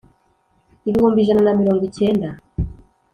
ibihumbi ijana na mirongo icyenda